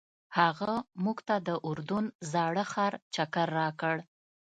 هغه موږ ته د اردن زاړه ښار چکر راکړ.